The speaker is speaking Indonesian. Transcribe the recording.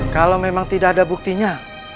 kalau memang tidak ada buktinya